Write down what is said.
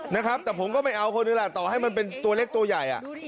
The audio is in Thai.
นะครับแต่ผมก็ไม่เอาคนหนึ่งแหละต่อให้มันเป็นตัวเล็กตัวใหญ่